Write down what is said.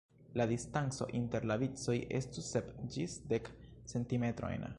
La distanco inter la vicoj estu sep ĝis dek centimetrojn.